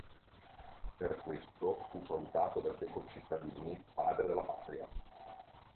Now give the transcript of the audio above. Per questo fu salutato dai suoi concittadini “Padre della Patria”.